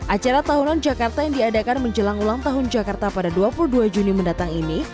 acara tahunan jakarta yang diadakan menjelang ulang tahun jakarta pada dua puluh dua juni mendatang ini